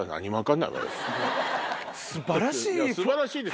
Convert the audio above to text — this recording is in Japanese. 素晴らしいですよ。